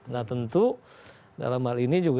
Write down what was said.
nah tentu dalam hal ini juga